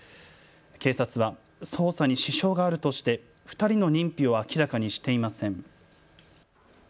警察は捜査に支障があるとして２人の認否を明らかにしていません。